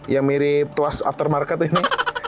yang mirip tuas aftermarket ini